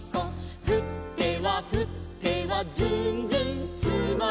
「ふってはふってはずんずんつもる」